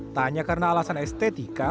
tak hanya karena alasan estetika